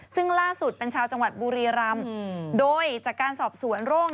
ซึ่งล่าสุดเป็นชาวจังหวัดบุรีรำโดยจากการสอบสวนโรค